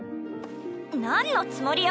なんのつもりよ！